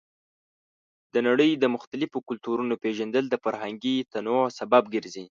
د نړۍ د مختلفو کلتورونو پیژندل د فرهنګي تنوع سبب ګرځي.